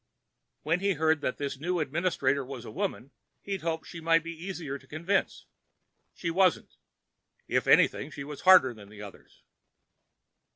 When he'd heard that this new administrator was a woman, he'd hoped she might be easier to convince. She wasn't. If anything, she was harder than the others.